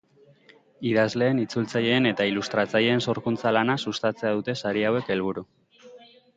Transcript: Idazleen, itzultzaileen eta ilustratzaileen sorkuntza lana sustatzea dute sari hauek helburu.